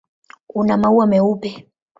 Una maua meupe.